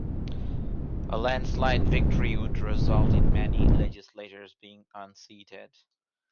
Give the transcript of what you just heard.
A landslide victory would result in many legislators being unseated.